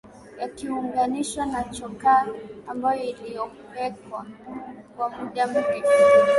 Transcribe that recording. yakiunganishwa na chokaa ambayo ililowekwa kwa muda mrefu